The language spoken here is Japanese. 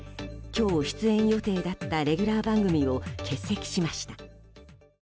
今日出演予定だったレギュラー番組を欠席しました。